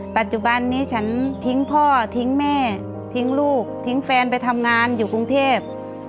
ปัจจุบันนี้ฉันทิ้งพ่อทิ้งแม่ทิ้งลูกทิ้งแฟนไปทำงานอยู่กรุงเทพ